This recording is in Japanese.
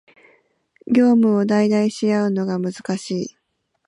業務を代替し合うのが難しい